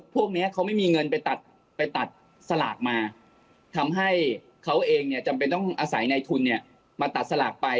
พวกนี้เขาไม่มีเงินไปตัดไปตัดสลากมาทำให้เขาเองเนี่ยจำเป็นต้องอาศัยในทุนเนี่ยมาตัดสลากไป